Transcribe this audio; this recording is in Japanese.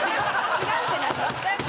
違うって何？